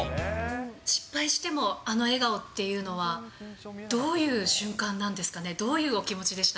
失敗してもあの笑顔っていうのは、どういう瞬間なんですかね、どういうお気持ちでした？